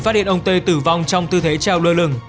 phát hiện ông tê tử vong trong tư thế treo lơ lửng